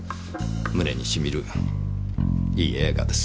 胸に染みるいい映画です。